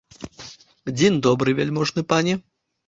Дзень добры, вяльможны пане!